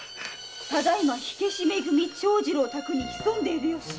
「ただ今火消しめ組長次郎宅に潜んでいるよし」